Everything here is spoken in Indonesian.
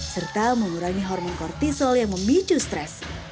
serta mengurangi hormon kortisol yang memicu stres